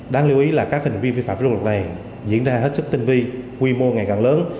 đáng lưu ý là các hình vi phạm hợp luật này diễn ra hết sức tinh vi quy mô ngày càng lớn